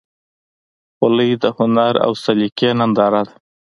خولۍ د هنر او سلیقې ننداره ده.